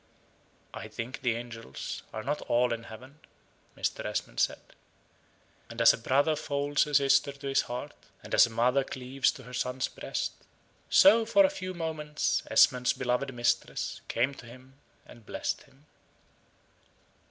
"I think the angels are not all in heaven," Mr. Esmond said. And as a brother folds a sister to his heart; and as a mother cleaves to her son's breast so for a few moments Esmond's beloved mistress came to him and blessed him.